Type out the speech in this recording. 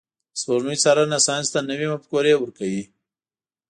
د سپوږمۍ څارنه ساینس ته نوي مفکورې ورکوي.